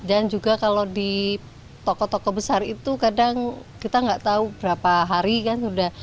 dan juga kalau di toko toko besar itu kadang kita nggak tahu berapa hari kan sudah